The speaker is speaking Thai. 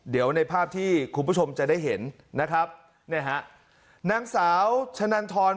เดี๋ยวในภาพที่คุณผู้ชมจะได้เห็นนะครับเนี่ยฮะนางสาวชะนันทร